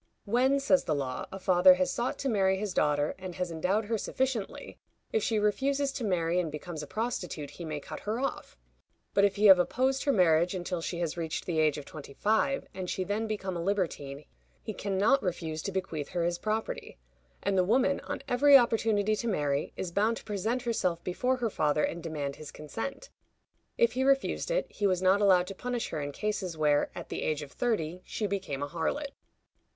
When, says the law, a father has sought to marry his daughter, and has endowed her sufficiently, if she refuses to marry and becomes a prostitute, he may cut her off; but if he have opposed her marriage until she has reached the age of twenty five, and she then become a libertine, he can not refuse to bequeath her his property; and the woman, on every opportunity to marry, is bound to present herself before her father and demand his consent. If he refused it, he was not allowed to punish her in cases where, at the age of thirty, she became a harlot.